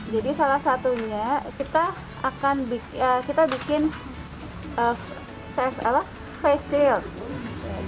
salah satunya kita akan bikin face shield